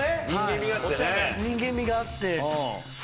人間味があってね。